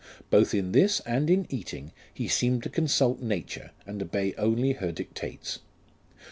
Both in this and in eating, he seemed to consult nature, and obey only her dictates.